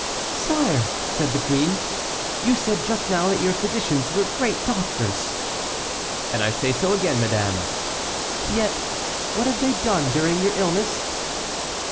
"Sire!" said the queen, "you said just now that your physicians were great doctors!" "And I say so again, madame." "Yet what have they done during your illness?"